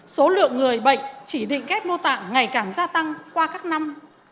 số lượng người bệnh chỉ định ghép mô tạng ngày càng gia tăng qua các năm